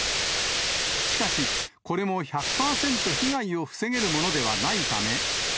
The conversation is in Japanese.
しかし、これも１００％被害を防げるものではないため。